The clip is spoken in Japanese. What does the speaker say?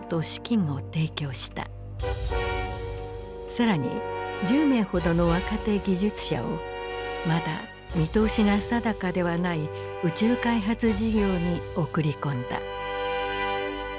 更に１０名ほどの若手技術者をまだ見通しが定かではない宇宙開発事業に送り込んだ。